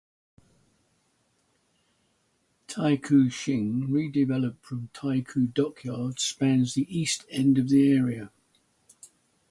Taikoo Shing, redeveloped from Taikoo Dockyard, spans the east end of the area.